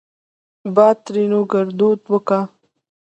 باد؛ ترينو ګړدود وګا